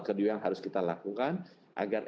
kedua yang harus kita lakukan agar